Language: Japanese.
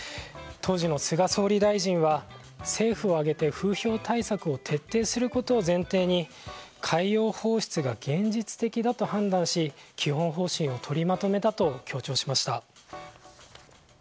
当時の菅総理大臣は政府を挙げて風評対策を徹底することを前提に海洋放出が現実的だと判断し基本方針を取りまとめたと強調しました。